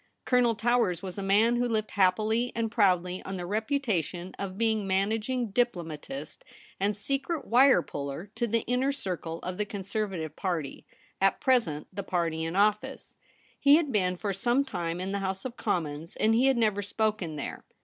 Colonel Towers was a man who lived happily and proudly on the reputation of being managing diplomatist and secret wire puller to the inner circle of the Conservative Party — at present the party in office. He had been for some time in the House of Commons, and he had never spoken there.